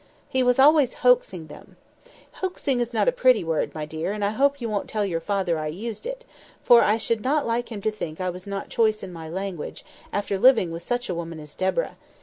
He was always hoaxing them; 'hoaxing' is not a pretty word, my dear, and I hope you won't tell your father I used it, for I should not like him to think that I was not choice in my language, after living with such a woman as Deborah.